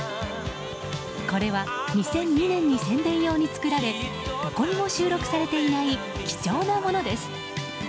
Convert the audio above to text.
これは２００２年に宣伝用に作られどこにも収録されていない貴重なものです。